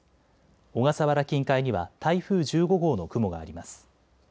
小笠原近海には台風１５号の雲があります。